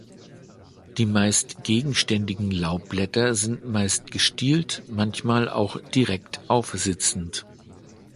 Die meist gegenständigen Laubblätter sind meist gestielt, manchmal auch direkt aufsitzend.